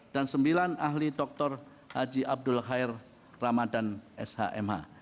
dan sembilan ahli dokter haji abdul khair ramadan shmh